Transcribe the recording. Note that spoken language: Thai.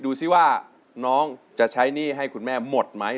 ดูสิว่าน้องจะใช้หนี้ให้คุณแม่หมดไหม